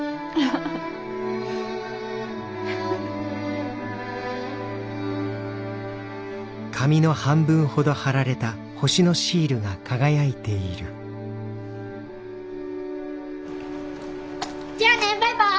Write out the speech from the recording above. フフ！じゃあねバイバイ！